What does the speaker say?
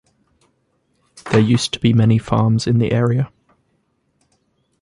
There used to be many farms in the area.